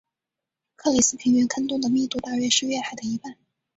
克里斯平原坑洞的密度大约是月海的一半。